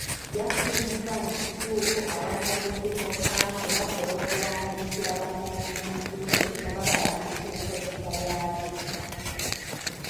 Yakkiriza nti kituufu aba Munisipo Kkanso batera okuwandiikira bannannyini bizimbe nga babalambike enkozesa yaabyo.